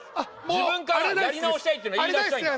自分からやり直したいって言いだしたいんだ